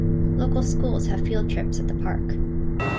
Local schools have field trips at the park.